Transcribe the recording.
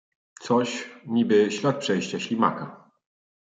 "Coś, niby ślad przejścia ślimaka."